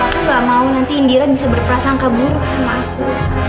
aku gak mau nanti indira bisa berprasangka buruk sama aku